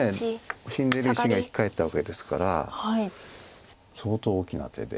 死んでる石が生き返ったわけですから相当大きな手で。